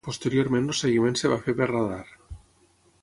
Posteriorment el seguiment es va fer per radar.